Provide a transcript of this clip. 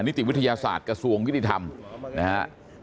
นิติวิทยาศาสตร์กระทรวงยุติธรรมนะฮะ